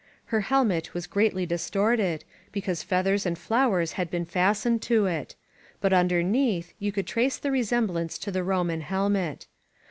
Her helmet was greatly distorted, because feathers and flowers had been fastened to it; but un derneath you could trace the resemblance to the Roman helmet.